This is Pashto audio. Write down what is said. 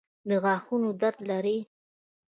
د غاښونو درد لرئ؟